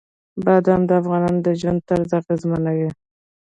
بادام د افغانانو د ژوند طرز اغېزمنوي.